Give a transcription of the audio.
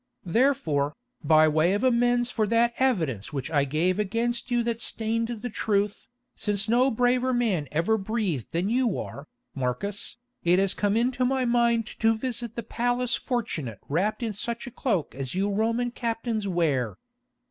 Therefore, by way of amends for that evidence which I gave against you that stained the truth, since no braver man ever breathed than you are, Marcus, it has come into my mind to visit the Palace Fortunate wrapped in such a cloak as you Roman captains wear.